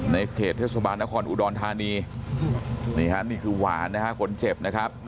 ในเขตเทศบาลนครอุดรธานีนี่ฮะนี่คือหวานนะฮะคนเจ็บนะครับ